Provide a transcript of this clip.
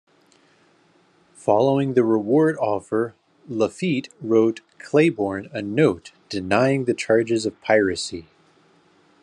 Following the reward offer, Lafitte wrote Claiborne a note denying the charges of piracy.